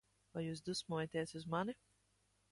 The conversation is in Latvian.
Vai jūs dusmojaties uz mani?